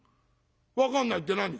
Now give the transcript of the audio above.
「分かんないって何が？」。